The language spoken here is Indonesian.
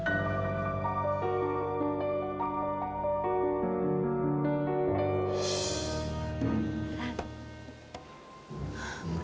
terima kasih pak